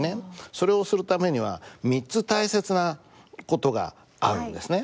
それをするためには３つ大切な事があるんですね。